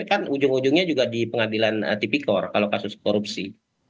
kan ujung ujungnya juga di pengadilan tipikor kalau kasus korupsi